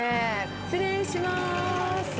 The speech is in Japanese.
失礼します。